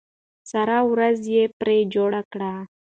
سره ورځ یې پرې جوړه کړه.